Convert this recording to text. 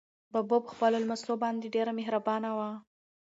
ببو په خپلو لمسو باندې ډېره مهربانه وه.